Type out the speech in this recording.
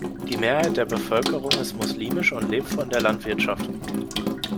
Die Mehrheit der Bevölkerung ist muslimisch und lebt von der Landwirtschaft.